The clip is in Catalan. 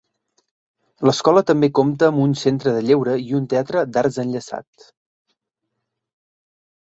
L'escola també compta amb un centre de lleure i un teatre d'art enllaçats.